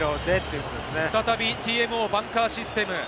再びＴＭＯバンカーシステム。